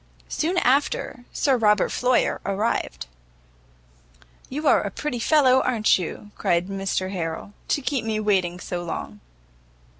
Soon after, Sir Robert Floyer arrived. "You are a pretty fellow, a'n't you," cried Mr Harrel, "to keep me waiting so long."